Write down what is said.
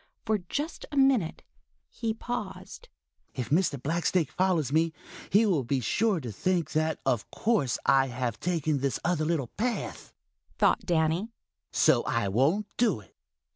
For just a minute he paused. "If Mr. Blacksnake follows me, he will be sure to think that of course I have taken this other little path," thought Danny, "so I won't do it."